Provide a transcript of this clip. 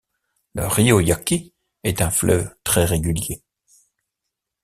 Le río Yaqui est un fleuve très régulier.